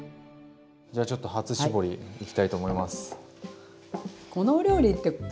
じゃあちょっと初絞りいきたいと思います。